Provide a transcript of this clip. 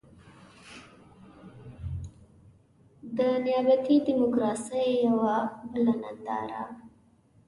د نيابتي ډيموکراسۍ يوه بله ننداره.